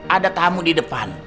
ada tamu di depan